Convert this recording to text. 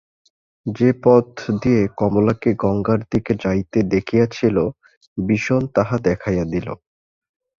যে পথ দিয়া কমলাকে গঙ্গার দিকে যাইতে দেখিয়াছিল বিষন তাহা দেখাইয়া দিল।